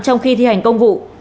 trong khi thi hành công vụ